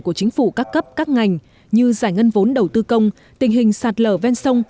của chính phủ các cấp các ngành như giải ngân vốn đầu tư công tình hình sạt lở ven sông